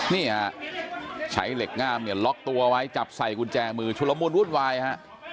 นี่ฮะใช้เหล็กง่ามเนี่ยล็อกตัวไว้จับใส่กุญแจมือชุลมูลวุ่นวายฮะ